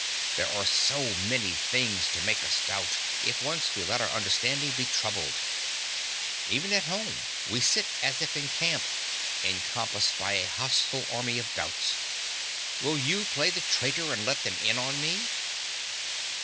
There are so many things to make us doubt, if once we let our understanding be troubled. Even at home, we sit as if in camp, encompassed by a hostile army of doubts. Will you play the traitor and let them in on me?